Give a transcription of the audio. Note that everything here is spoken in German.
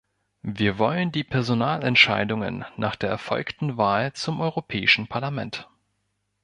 Wir wollen die Personalentscheidungen nach der erfolgten Wahl zum Europäischen Parlament.